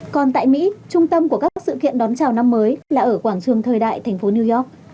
còn tại mỹ trung tâm của các sự kiện đón chào năm mới là ở quảng trường thời đại thành phố new york